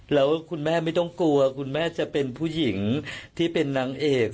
แล้วคุณแม่ไม่ต้องกลัวคุณแม่จะเป็นผู้หญิงที่เป็นนางเอก